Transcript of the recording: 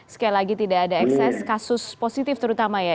sekali lagi tidak ada ekses kasus positif terutama ya